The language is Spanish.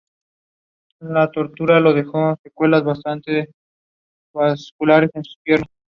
Es originaria del oeste de África tropical donde se encuentra en Congo y Gabón.